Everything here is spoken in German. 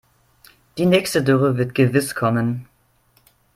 Die nächste Dürre wird gewiss kommen.